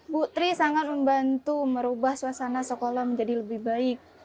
bu tri sangat membantu merubah suasana sekolah menjadi lebih baik